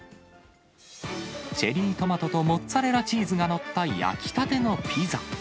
チェリートマトとモッツァレラチーズが載った焼きたてのピザ。